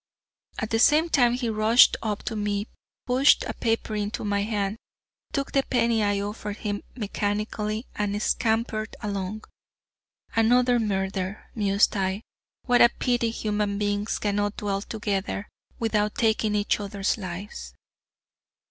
At the same time he rushed up to me, pushed a paper into my hand, took the penny I offered him mechanically, and scampered along. "Another murder," mused I; "what a pity human beings cannot dwell together without taking each other's lives."